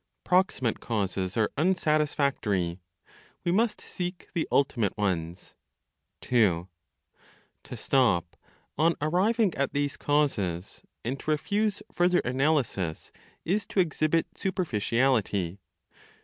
PROXIMATE CAUSES ARE UNSATISFACTORY; WE MUST SEEK THE ULTIMATE ONES. 2. To stop, on arriving at these causes, and to refuse further analysis, is to exhibit superficiality.